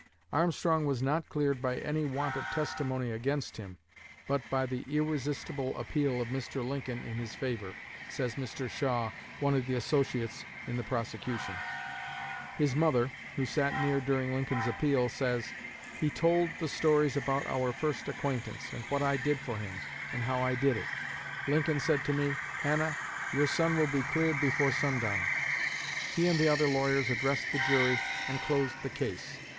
"Armstrong was not cleared by any want of testimony against him, but by the irresistible appeal of Mr. Lincoln in his favor," says Mr. Shaw, one of the associates in the prosecution. His mother, who sat near during Lincoln's appeal, says: "He told the stories about our first acquaintance, and what I did for him and how I did it. Lincoln said to me, 'Hannah, your son will be cleared before sundown.' He and the other lawyers addressed the jury, and closed the case.